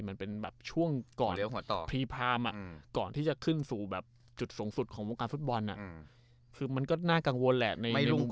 มันก็น่ากังวลแหละไม่รุ่งก็ร่วงได้เลยเหมือนกัน